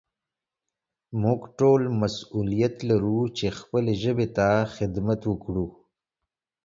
موږ ټول مسؤليت لرو چې خپلې ژبې ته خدمت وکړو.